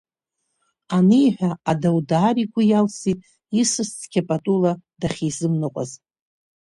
Аниҳәа, адау даара игәы иалсит исас цқьа патула дахьизымныҟәаз.